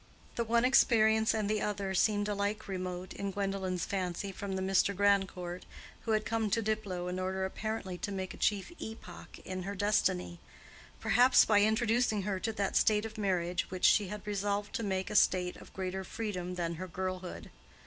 The one experience and the other seemed alike remote in Gwendolen's fancy from the Mr. Grandcourt who had come to Diplow in order apparently to make a chief epoch in her destiny—perhaps by introducing her to that state of marriage which she had resolved to make a state of greater freedom than her girlhood.